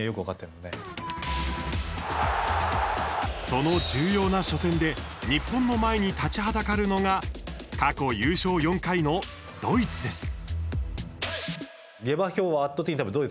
その重要な初戦で日本の前に立ちはだかるのが過去優勝４回のドイツです。